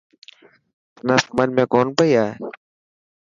تنان سمجهه ۾ ڪون پئي آڻي.